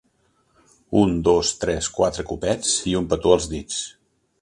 Un dos tres quatre copets i un petó als dits.